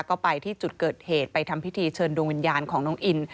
ก็ไปที่จุดเกิดเหตุไปทำพิธีเชิญดวงวิญญาณของน้องอิน